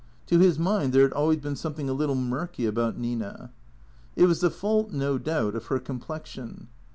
To his mind there had always been something a little murky about Nina. It was the fault, no doubt, of her complexion.